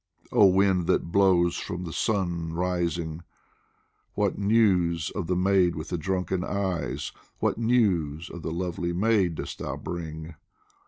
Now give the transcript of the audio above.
Oh wind that blows from the sun rising, What news of the maid with the drunken eyes, What news of the lovely maid dost thou bring